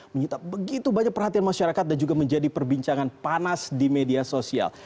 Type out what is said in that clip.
menyita begitu banyak perhatian masyarakat dan juga menjadi perbincangan panas di media sosial